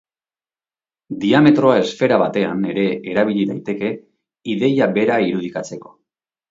Diametroa esfera batean ere erabili daiteke ideia bera irudikatzeko.